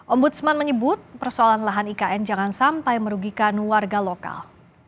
ombudsman menyebut persoalan lahan ikn jangan sampai merugikan warga lokal